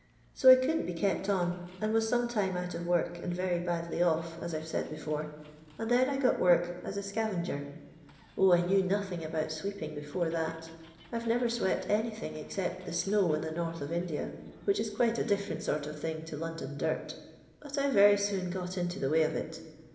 8o I couldn't be kept on, and was some time out of work, and very badly o£f, as I 've said before, and then I got work as a sca venger. 0, 1 knew nothing about sweeping before that. I *d new swept anything except the snow in the north of India, which is quite a different ■ort of thing to London dirt But I very soon got into the way of it.